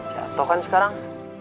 jatoh kan sekarang